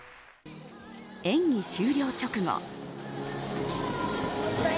演技終了直後。